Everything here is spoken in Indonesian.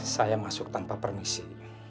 saya masuk tanpa permisi